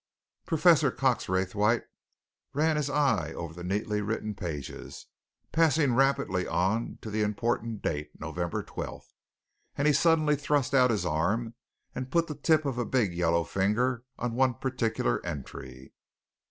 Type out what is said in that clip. Professor Cox Raythwaite ran his eye over the neatly written pages, passing rapidly on to the important date November 12th. And he suddenly thrust out his arm and put the tip of a big yellow finger on one particular entry.